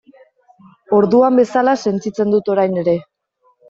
Orduan bezala sentitzen dut orain ere.